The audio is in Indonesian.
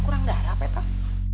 kamu ga cuentuh